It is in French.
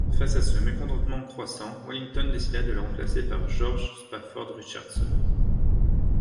Face à ce mécontentement croissant, Wellington décida de le remplacer par George Spafford Richardson.